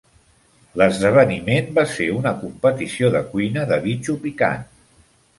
L'esdeveniment va ser una competició de cuina de bitxo picant.